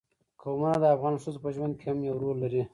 قومونه د افغان ښځو په ژوند کې هم یو رول لري.